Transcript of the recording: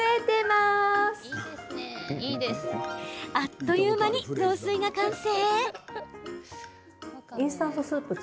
あっという間に雑炊が完成。